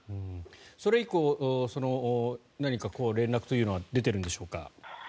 それ以降何か連絡というのは出てるんでしょうか。